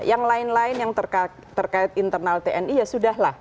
yang lain lain yang terkait internal tni ya sudah lah